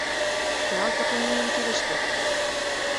— Чыла закон нунын кидыште.